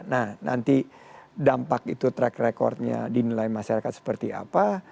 nah nanti dampak itu track recordnya dinilai masyarakat seperti apa